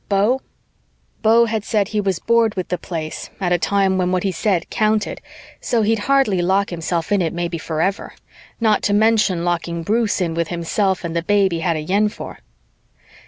Beau? Beau had said he was bored with the Place at a time when what he said counted, so he'd hardly lock himself in it maybe forever, not to mention locking Bruce in with himself and the babe he had a yen for.